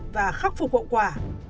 và khắc phục hậu quả